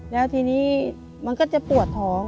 แล้วทีนี้มันก็จะปวดท้อง